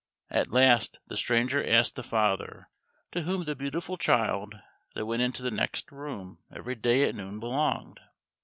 At last the stranger asked the father to whom the beautiful child that went into the next room every day at noon belonged?